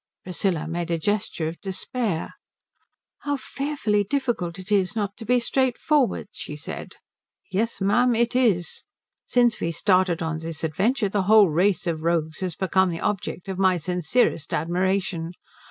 Priscilla made a gesture of despair. "How fearfully difficult it is not to be straightforward," she said. "Yes, ma'am, it is. Since we started on this adventure the whole race of rogues has become the object of my sincerest admiration.